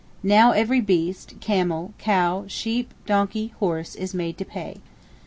Now every beast; camel, cow, sheep, donkey, horse, is made to pay.